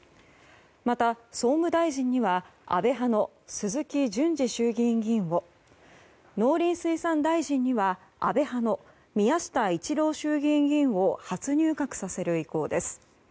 また、総務大臣には安倍派の鈴木淳司衆議院議員を農林水産大臣には安倍派の宮下一郎衆議院議員を初入閣させる意向です。